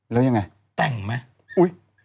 แล้วยังไงแต่งไหมอุ๊ย